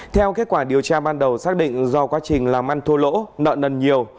theo kết quả điều tra ban đầu xác định do quá trình làm ăn thua lỗ nợ nần nhiều